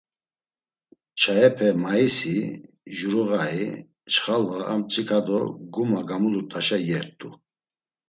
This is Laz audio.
Çayepe Mayisi, Curuğayi, Çxalva ar mtsika do Guma gamulurt̆aşa iyert̆u.